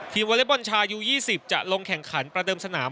วอเล็กบอลชายู๒๐จะลงแข่งขันประเดิมสนาม